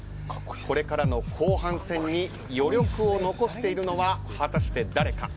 これからの後半戦に余力を残しているのは果たして誰か。